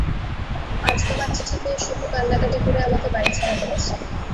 আজ তোমার চিঠি পেয়ে সুকু কান্নাকাটি করে আমাকে বাড়িছাড়া করেছে।